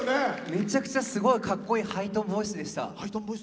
めちゃくちゃすごいかっこいいハイトーンボイスでした。